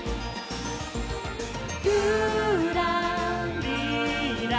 「ぴゅらりら」